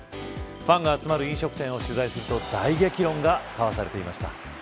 ファンが集まる飲食店を取材すると大激論が交わされていました。